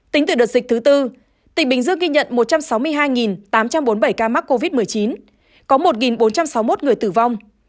tính từ đợt dịch thứ tư tỉnh bình dương ghi nhận một trăm sáu mươi hai tám trăm bốn mươi bảy ca mắc covid một mươi chín có một bốn trăm sáu mươi một người tử vong